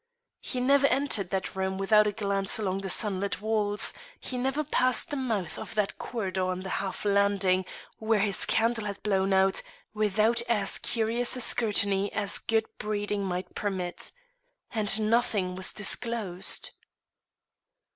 He never entered that room without a glance along the sun lit walls; he never passed the mouth of that corridor on the half landing where his candle had blown out without as curious a scrutiny as good breeding might permit. And nothing was disclosed.